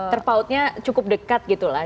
terpautnya cukup dekat gitu lah